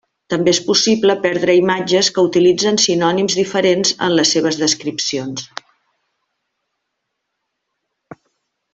També és possible perdre imatges que utilitzen sinònims diferents en les seves descripcions.